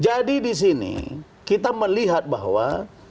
jadi di sini kita melihat bahwa